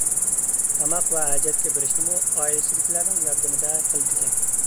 تاماق ۋە ھاجەتكە بېرىشنىمۇ ئائىلىسىدىكىلەرنىڭ ياردىمىدە قىلىدىكەن.